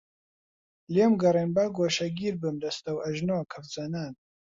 لێم گەڕێن با گۆشەگیر بم دەستەوئەژنۆ کەفزەنان